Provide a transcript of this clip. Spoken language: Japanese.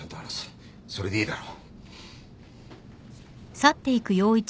それでいいだろ？